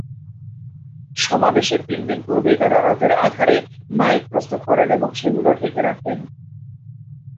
সমাবেশের তিনদিন পূর্বেই তারা রাতের আধারে মাইক প্রস্তুত করেন এবং সেগুলো ঢেকে রাখেন।